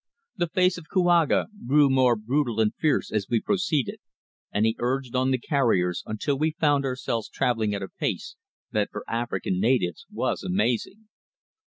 The face of Kouaga grew more brutal and fierce as we proceeded, and he urged on the carriers until we found ourselves travelling at a pace that for African natives was amazing.